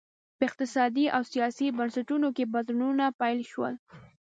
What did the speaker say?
په اقتصادي او سیاسي بنسټونو کې بدلونونه پیل شول